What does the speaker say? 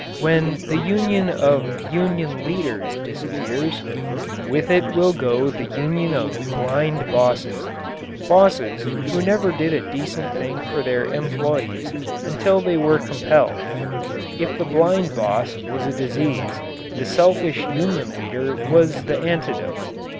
When the union of "union leaders" disappears, with it will go the union of blind bosses bosses who never did a decent thing for their employees until they were compelled. If the blind boss was a disease, the selfish union leader was the antidote.